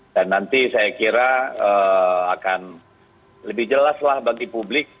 dan nanti saya kira akan lebih jelas lah bagi publik